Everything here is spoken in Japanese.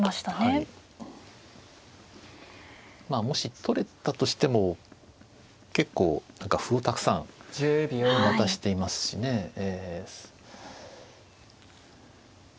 もし取れたとしても結構歩をたくさん渡していますしねええ。